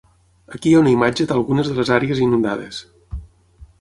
Aquí hi ha una imatge d'algunes de les àrees inundades.